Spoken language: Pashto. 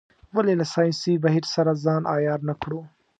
ولې له ساینسي بهیر سره ځان عیار نه کړو.